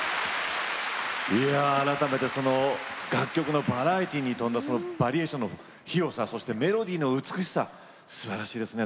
いや改めてその楽曲のバラエティーに富んだバリエーションの広さそしてメロディーの美しさすばらしいですね。